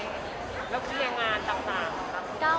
แล้วคุยงานต่างครับ